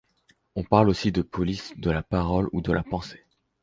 On parle aussi de police de la parole ou de la pensée.